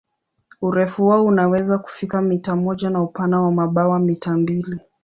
Urefu wao unaweza kufika mita moja na upana wa mabawa mita mbili.